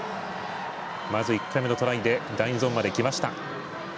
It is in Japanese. まず１回目のトライで第２ゾーンまできました。